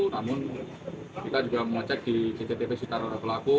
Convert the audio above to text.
namun kita juga mau cek di cctv sitar pelaku